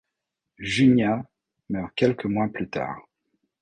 Junia meurt quelques mois plus tard.